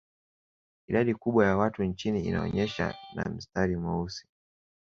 Idadi kubwa ya watu nchini inaonyeshwa na mstari mweusi